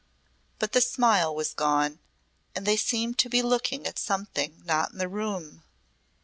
But the smile was gone and they seemed to be looking at something not in the room.